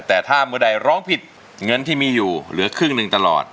แต่ถ้าเมื่อใดร้องผิดเงินที่มีอยู่เหลือครึ่งหนึ่งตลอด